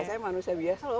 saya manusia biasa lho